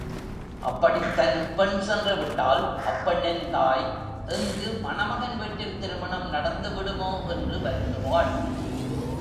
அப்படித் தன் பெண் சென்று விட்டால், அப்பெண்ணின் தாய், எங்கு மணமகன் வீட்டில் திருமணம் நடந்துவிடுமோ என்று வருந்துவாள்.